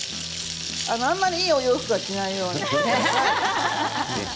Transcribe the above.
あまりいいお洋服は着ないように。